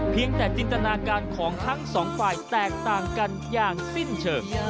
แต่จินตนาการของทั้งสองฝ่ายแตกต่างกันอย่างสิ้นเชิง